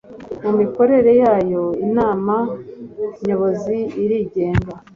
Mu mikorere yayo Inama Nyobozi irigenga